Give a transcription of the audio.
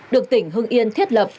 được tỉnh hưng yên thiết lập